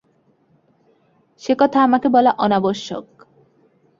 সে কথা আমাকে বলা অনাবশ্যক।